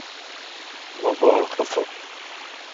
مہ باڑ خفہ۔